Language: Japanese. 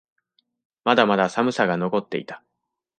まだまだ寒さが残っていた。